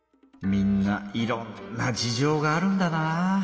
みんないろんな事情があるんだな。